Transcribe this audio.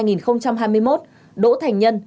năm hai nghìn hai mươi một đỗ thành nhân